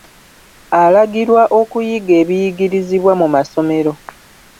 Olagirwa okuyiga ebiyigirizibwa mu masomero.